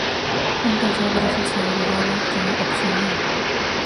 Un tercer brazo se agregaba como opcional.